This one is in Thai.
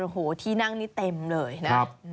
โอ้โหที่นั่งนี่เต็มเลยนะ